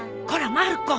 まる子。